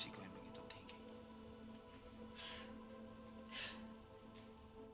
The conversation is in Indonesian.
kenapa ibu sampai mengambil resiko yang begitu tinggi